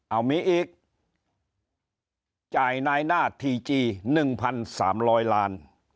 เอามีอีกจ่ายนายหน้าทีจี๑๓๐๐ล้าน